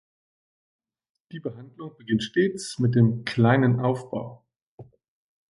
Die Behandlung beginnt stets mit dem "Kleinen Aufbau".